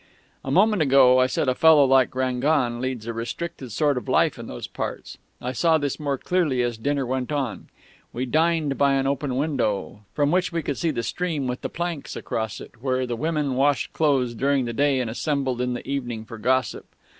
"A moment ago I said a fellow like Rangon leads a restricted sort of life in those parts. I saw this more clearly as dinner went on. We dined by an open window, from which we could see the stream with the planks across it where the women washed clothes during the day and assembled in the evening for gossip.